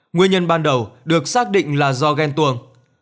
nguyên nhân ban đầu được xác định là do ghen tuồng